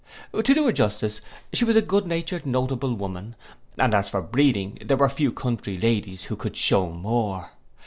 To do her justice, she was a good natured notable woman; and as for breeding, there were few country ladies who could shew more.